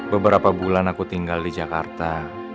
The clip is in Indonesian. beberapa bulan aku tinggal di jakarta